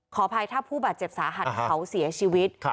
ขออภัยถ้าผู้บาดเจ็บสาหัสเขาเสียชีวิต